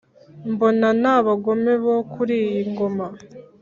mbona n’abagome bo kuri iyi ngoma